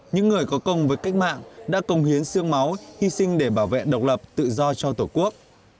những người có công với cách mạng đã công hiến sương máu hy sinh để bảo vệ độc lập tự do cho tổ quốc